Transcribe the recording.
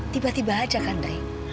tiba tiba saja kan de